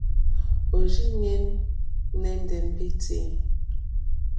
Òrzìɲɛ́ nɛ́ndɛ̀ mbîtí.